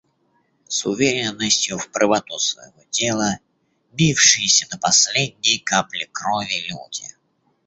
С уверенностью в правоту своего дела, бившиеся до последней капли крови люди.